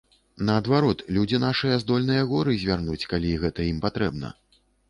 Наадварот, людзі нашыя здольныя горы звярнуць, калі гэта ім патрэбна.